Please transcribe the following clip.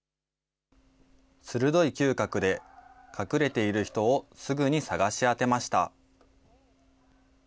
鋭い嗅覚で隠れている人をすぐに探し当てました。